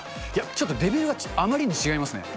ちょっとレベルがあまりに違いますね。